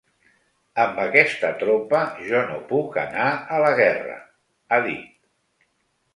Amb aquesta tropa jo no puc anar a la guerra, ha dit.